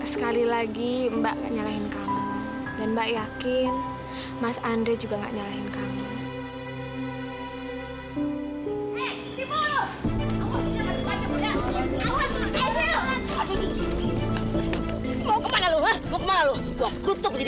sekali lagi mbaknya lain kalian mbak yakin mas andre juga nggak ny opacity